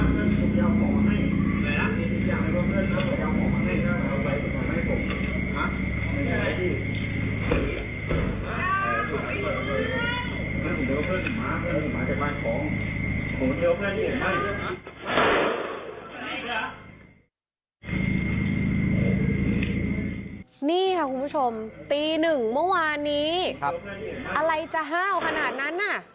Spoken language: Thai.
นี่ค่ะคุณผู้ชมตีหนึ่งเมื่อวานนี้อะไรจะห้าวขนาดนั้นน่ะ